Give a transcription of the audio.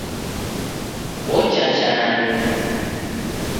Ochacha nanyuma